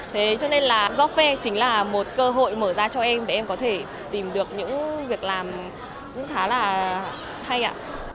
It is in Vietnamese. thế cho nên là job fair chính là một cơ hội mở ra cho em để em có thể tìm được những việc làm cũng khá là hay ạ